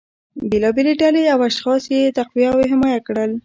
بیلابیلې ډلې او اشخاص یې تقویه او حمایه کړل